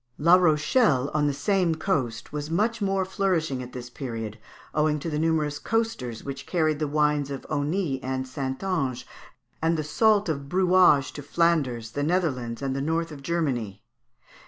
La Rochelle, on the same coast, was much more flourishing at this period, owing to the numerous coasters which carried the wines of Aunis and Saintonge, and the salt of Brouage to Flanders, the Netherlands, and the north of Germany.